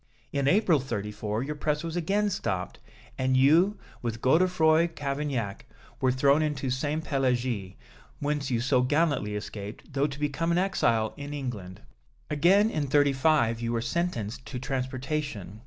In April, '34, your press was again stopped, and you, with Godefroi Cavaignac, were thrown into Sainté Pélagie, whence you so gallantly escaped, though to become an exile in England. Again, in '35, you were sentenced to transportation.